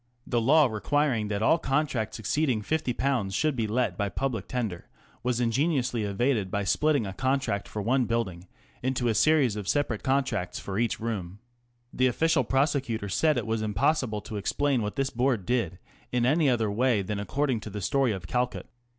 The law requiring that all contracts exceeding ^50 should be let by public tender was ingeniously evaded by splitting a contract for one building into a series of separate contracts for each room. The official of Reviews. prosecutor said it was impossible to explain what this Board did in any other way than according to the story of Calcutt.